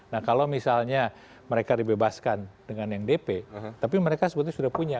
nah kalau misalnya mereka dibebaskan dengan yang dp tapi mereka sebetulnya sudah punya